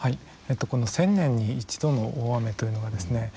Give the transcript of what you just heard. この１０００年に１度の大雨というのはですね